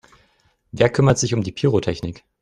Wer kümmert sich um die Pyrotechnik?